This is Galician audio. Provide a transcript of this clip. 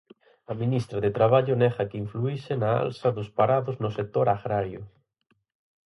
A ministra de Traballo nega que influíse na alza dos parados no sector agrario.